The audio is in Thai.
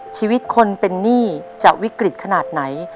ชีวิตคนเป็นหนี้จะวิกฤตขนาดไหน